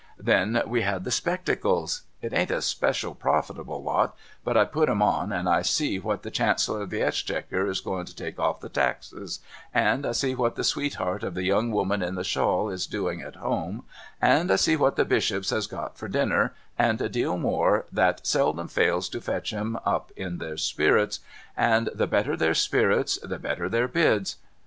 Then we had the spectacles. It ain't a special profitable lot, but I put 'cm on, and I sec what the Chancellor of the Exchequer is going to take off the taxes, and I see what the sweetheart of the young woman in the shawl is doing at home, and I see what the Bishops has got for dinner, and a deal more that seldom fails to fetch 'em up in their spirits ; and the better their spirits, the better their bids.